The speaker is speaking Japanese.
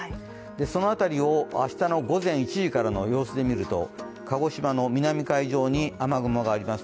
その辺りを明日の午前１時からの様子で見ると鹿児島の南海上に雨雲があります。